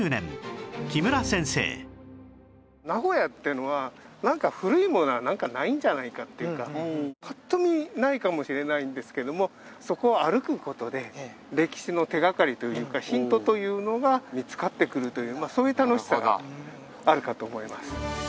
名古屋っていうのは古いものはないんじゃないかっていうかパッと見ないかもしれないんですけどもそこを歩く事で歴史の手掛かりというかヒントというのが見つかってくるというそういう楽しさがあるかと思います。